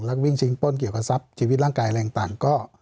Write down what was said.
แล้วก็วิ่งชิงป้นเกี่ยวกับทรัพย์ชีวิตร่างกายอะไรต่างก็